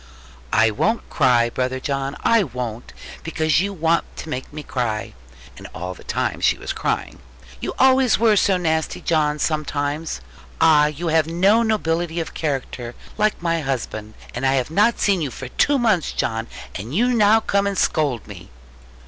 'I won't cry, brother John, I won't; because you want to make me cry' and all the time she was crying 'you always were so nasty, John, sometimes. Ah, you have no nobility of character, like my husband. And I have not seen you for two months, John; and now you come to scold me!'